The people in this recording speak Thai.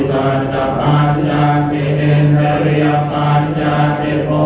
สุดท้ายเท่าไหร่สุดท้ายเท่าไหร่